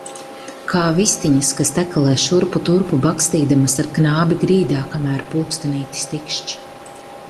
Kā vistiņas, kas tekalē šurpu turpu, bakstīdamas ar knābi grīdā, kamēr pulkstenītis tikšķ.